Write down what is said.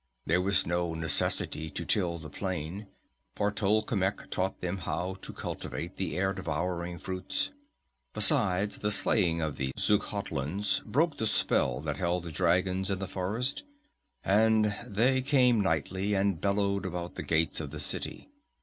There was no necessity to till the plain, for Tolkemec taught them how to cultivate the air devouring fruits. Besides, the slaying of the Xuchotlans broke the spell that held the dragons in the forest, and they came nightly and bellowed about the gates of the city.